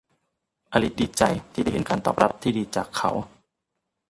อลิซดีใจที่ได้เห็นการตอบรับที่ดีจากเขา